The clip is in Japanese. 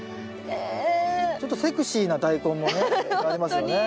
ちょっとセクシーなダイコンもね。ありますよね。